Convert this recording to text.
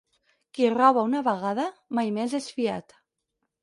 Qui roba una vegada mai més és fiat.